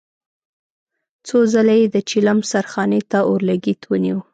څو ځله يې د چيلم سرخانې ته اورلګيت ونيو.